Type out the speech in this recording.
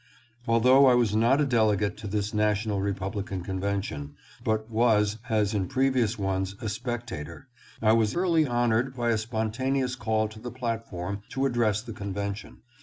Although I was not a delegate to this National Repub lican Convention, but was, as in previous ones, a spec tator, I was early honored by a spontaneous call to the platform to address the convention.